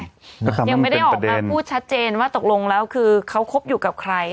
ยังไม่ได้ออกมาพูดชัดเจนว่าตกลงแล้วคือเขาคบอยู่กับใคร